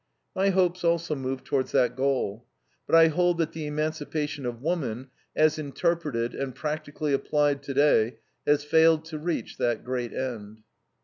My hopes also move towards that goal, but I hold that the emancipation of woman, as interpreted and practically applied today, has failed to reach that great end.